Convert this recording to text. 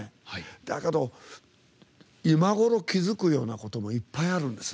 だけど、今頃気付くようなこともいっぱいあるんですよ。